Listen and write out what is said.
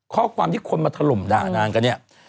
ข้อความที่คนมาถล่มด่านางกันเนี่ย